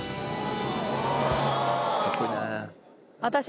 かっこいいね。